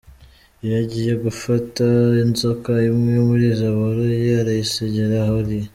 Iyo agiye gufata inzoka imwe muri izo boroye, arayisingira aho iri.